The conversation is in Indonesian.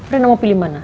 rena mau pilih mana